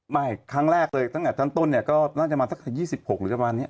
ไม่ครั้งแรกเลยตั้งแต่ชั้นต้นก็จะมา๒๖๒๐กว่าล้าน